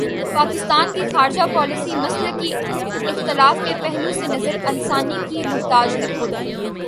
پاکستان کی خارجہ پالیسی مسلکی اختلاف کے پہلو سے نظر ثانی کی محتاج ہے۔